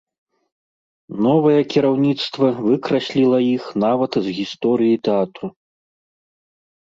Новае кіраўніцтва выкрасліла іх нават з гісторыі тэатру.